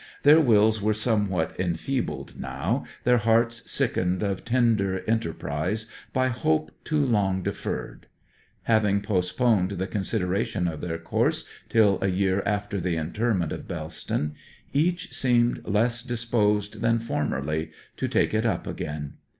Their wills were somewhat enfeebled now, their hearts sickened of tender enterprise by hope too long deferred. Having postponed the consideration of their course till a year after the interment of Bellston, each seemed less disposed than formerly to take it up again.